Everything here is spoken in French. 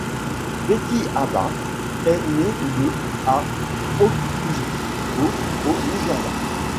Betty Abah est née le à Oturkpo, au Nigeria.